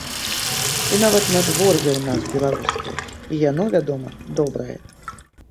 І нават надвор'е ў нас беларускае, і яно, вядома, добрае.